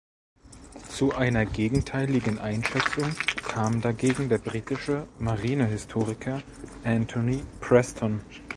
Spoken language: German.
Zu einer gegenteiligen Einschätzung kam dagegen der britische Marinehistoriker Antony Preston.